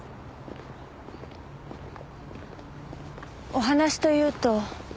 お話というと？